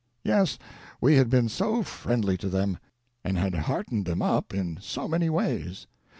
Yes, we had been so friendly to them, and had heartened them up in so many ways